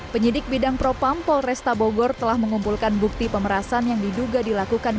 penyidik bidang propam polresta bogor telah mengumpulkan bukti pemerasan yang diduga dilakukan